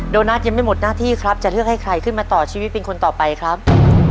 โดนัทยังไม่หมดหน้าที่ครับจะเลือกให้ใครขึ้นมาต่อชีวิตเป็นคนต่อไปครับ